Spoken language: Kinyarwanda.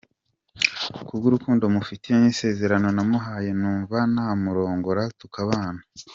Kubw’urukundo mufitiye n’isezerano namuhaye ndumva namurongora tukabana.